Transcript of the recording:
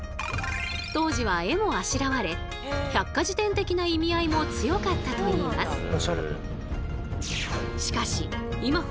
当時は絵もあしらわれ百科事典的な意味合いも強かったといいます。